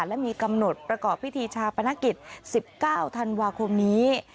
และมีกำหนดประกอบพิธีชาปนกิจ๑๙ธันวาคมนี้